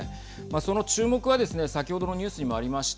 その注目はですね先ほどのニュースにもありました